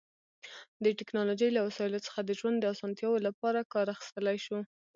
د ټیکنالوژی له وسایلو څخه د ژوند د اسانتیا لپاره کار اخیستلی شو